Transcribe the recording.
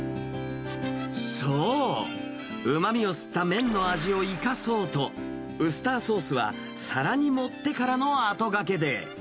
そう、うまみを吸った麺の味を生かそうと、ウスターソースはさらに盛ってからの後がけで。